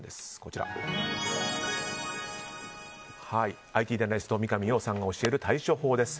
ＩＴジャーナリストの三上洋さんが教える対処法です。